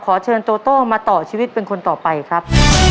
ขอเชิญโตโต้มาต่อชีวิตเป็นคนต่อไปครับ